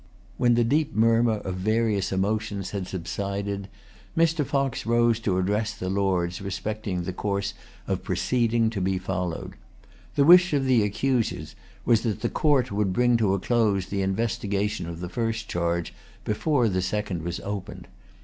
When the deep murmur of various emotions had subsided, Mr. Fox rose to address the Lords respecting the course of proceeding to be followed. The wish of the accusers was that the Court would bring to a close the investigation of the first charge before the second was opened.